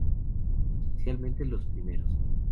Especialmente los primeros.